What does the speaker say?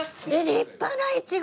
立派なイチゴ！